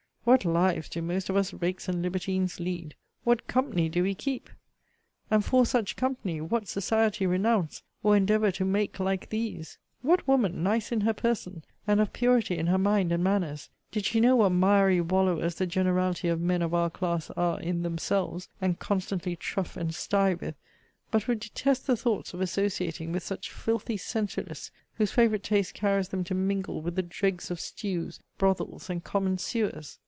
what lives do most of us rakes and libertines lead! what company do we keep! And, for such company, what society renounce, or endeavour to make like these! What woman, nice in her person, and of purity in her mind and manners, did she know what miry wallowers the generality of men of our class are in themselves, and constantly trough and sty with, but would detest the thoughts of associating with such filthy sensualists, whose favourite taste carries them to mingle with the dregs of stews, brothels, and common sewers?